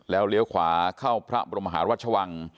แล้วเลี้ยวขวาเข้าพระบรมหารัชวัง